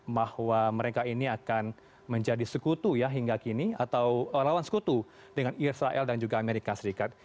bahwa mereka ini akan menjadi sekutu ya hingga kini atau lawan sekutu dengan israel dan juga amerika serikat